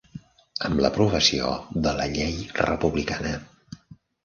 Amb l'aprovació de la Llei republicana.